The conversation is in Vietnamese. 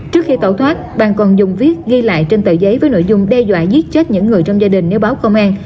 trước khi tẩu thoát bằng còn dùng viết ghi lại trên tờ giấy với nội dung đe dọa giết chết những người trong gia đình nếu báo công an